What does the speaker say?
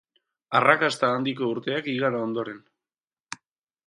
Arrakasta handiko urteak igaro ondoren.